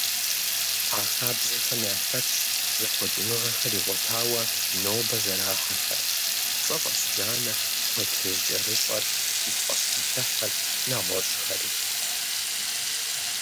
А хабзэхэм яхэтщ зэхъуэкӀыныгъэхэр игъуэтауэ нобэ зэрахьэхэр: цӀэфӀэщджанэр, кхъуейплъыжькӀэрыщӀэр, мафӀащхьэтыхьыр, нэгъуэщӀхэри.